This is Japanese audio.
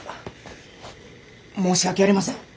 申し訳ありません。